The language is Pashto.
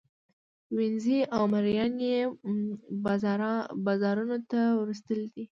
وینزې او مرییان یې بازارانو ته وروستلي دي.